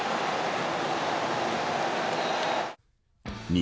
２